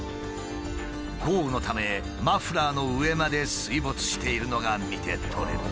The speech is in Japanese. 豪雨のためマフラーの上まで水没しているのが見て取れる。